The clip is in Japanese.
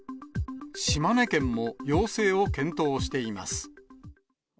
島根県も要請を検討しています。